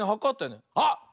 あっ！